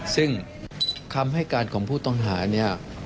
ซึ่งคำให้การของผู้ต้องหาเนี่ย